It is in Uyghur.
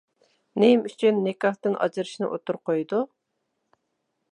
نېمە ئۈچۈن نىكاھتىن ئاجرىشىشنى ئوتتۇرىغا قويىدۇ؟